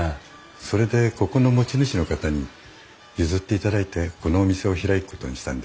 それでここの持ち主の方に譲っていただいてこのお店を開くことにしたんです。